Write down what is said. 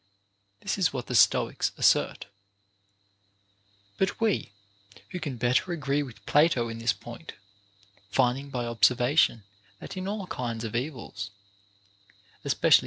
This is what the Stoics assert. 3. But we, who can better agree with Plato in this point, finding by observation that in all kinds of evils, especially OF MAN'S PROGRESS IN VIRTUE.